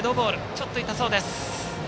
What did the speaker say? ちょっと痛そうです。